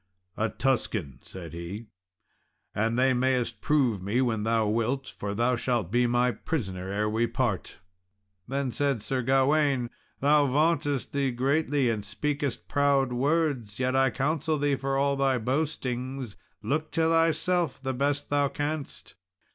"A Tuscan," said he; "and they mayest prove me when thou wilt, for thou shalt be my prisoner ere we part." Then said Sir Gawain, "Thou vauntest thee greatly, and speakest proud words; yet I counsel thee, for all thy boastings, look to thyself the best thou canst."